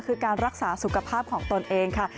คือการรักษาสุขภาพของตนเองค่ะ